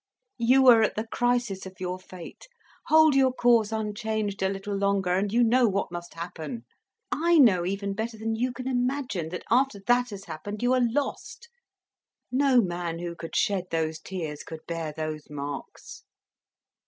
"You are at the crisis of your fate. Hold your course unchanged a little longer, and you know what must happen. I know even better than you can imagine, that, after that has happened, you are lost. No man who could shed those tears could bear those marks."